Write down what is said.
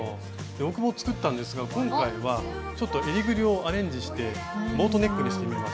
僕も作ったんですが今回はちょっとえりぐりをアレンジしてボートネックにしてみました。